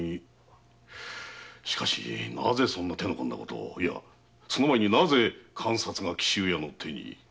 しかしなぜそんな手の込んだことをいやその前になぜ鑑札が紀州屋に。